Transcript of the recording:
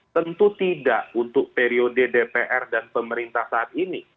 tentu tidak untuk periode dpr dan pemerintah saat ini